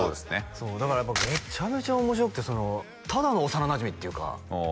だからめちゃめちゃ面白くてただの幼なじみっていうか